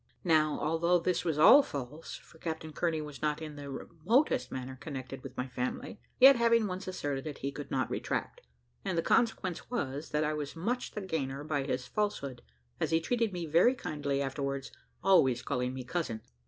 Now, although this was all false, for Captain Kearney was not in the remotest manner connected with my family, yet, having once asserted it, he could not retract, and the consequence was, that I was much the gainer by his falsehood, as he treated me very kindly afterwards, always calling me cousin.